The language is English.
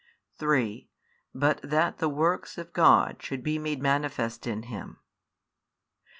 3 But that the works of God should be made manifest in him.